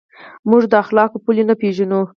موږ د اخلاقو پولې نه پېژنو.